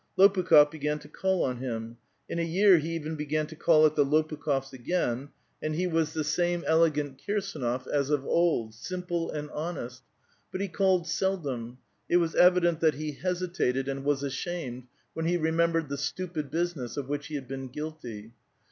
Lopukh6f began to call on him. In a year he even began to call at the Lopukh6fs' again, and he was the same 206 A VITAL QUESTION. elegant Kirsdnof ns of old, simple and honest. But he called Bchiom ; it was evidoiit that lie hesitated and was ashamed, when he reuieinlHTod the stupid business of which he had been guilty.